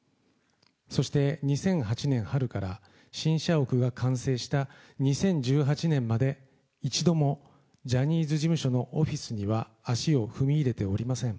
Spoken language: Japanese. そして２００８年春から、新社屋が完成した２０１８年まで、一度もジャニーズ事務所のオフィスには足を踏み入れておりません。